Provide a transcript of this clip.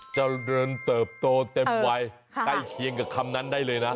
เจริญเติบโตเต็มวัยใกล้เคียงกับคำนั้นได้เลยนะ